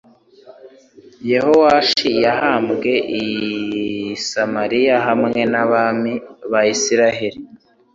yehowashi yahambwe i samariya hamwe n abami ba isirayeli